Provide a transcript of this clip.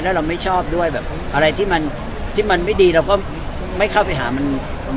แล้วเราไม่ชอบด้วยอะไรที่มันไม่ดีเราก็ไม่เข้าไปหามันดีกว่า